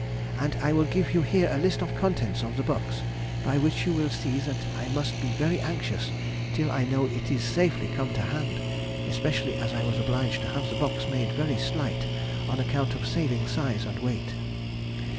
And I will give you here a list of the contents of the box, by which you will see that I must be very anxious till I know that it is safely come to hand, especially as I was obliged to have the box made very slight on account of saving size and weight.